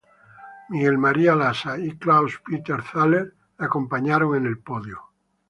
Miguel María Lasa y Klaus-Peter Thaler le acompañaron en el podio.